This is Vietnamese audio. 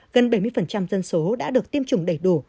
gần bảy mươi dân số đã được tiêm chủng đầy đủ